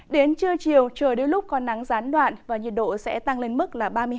đến trưa chiều trời đôi lúc còn nắng gián đoạn và nhiệt độ sẽ tăng lên mức